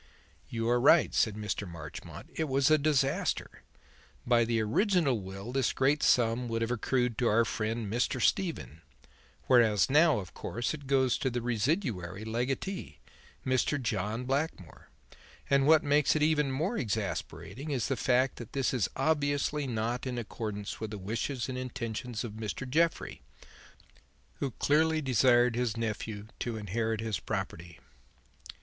"You are right," said Mr. Marchmont; "it was a disaster. By the original will this great sum would have accrued to our friend Mr. Stephen, whereas now, of course, it goes to the residuary legatee, Mr. John Blackmore. And what makes it even more exasperating is the fact that this is obviously not in accordance with the wishes and intentions of Mr. Jeffrey, who clearly desired his nephew to inherit his property."